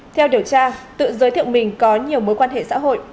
theo điều tra tự giới thiệu mình có nhiều mối quan hệ xã hội